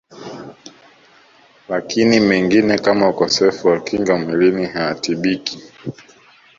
Lakini mengine kama Ukosefu wa Kinga Mwilini hayatibiki